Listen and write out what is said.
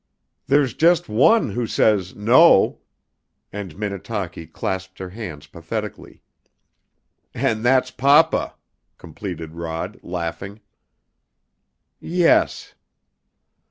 There's just one who says 'No!'" And Minnetaki clasped her hands pathetically. "And that's papa," completed Rod, laughing. "Yes."